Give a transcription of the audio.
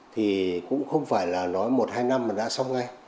thì cũng không phải là nói một hai năm mà đã xong ngay